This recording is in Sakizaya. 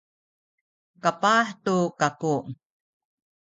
kapah tu kaku